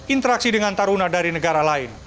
interaksi dengan taruna dari negara lain